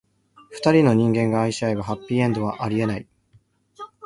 二人の人間が愛し合えば、ハッピーエンドはありえない。